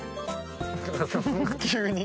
急に！